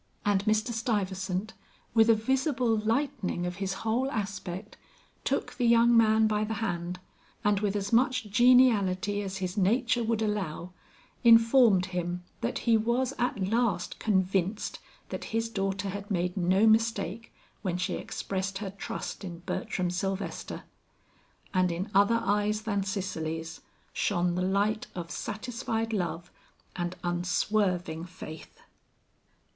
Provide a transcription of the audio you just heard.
And Mr. Stuyvesant, with a visible lightening of his whole aspect, took the young man by the hand, and with as much geniality as his nature would allow, informed him that he was at last convinced that his daughter had made no mistake when she expressed her trust in Bertram Sylvester. And in other eyes than Cicely's, shone the light of satisfied love and unswerving faith.